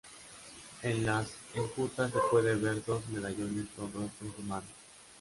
En las enjutas se pueden ver dos medallones con rostros humanos.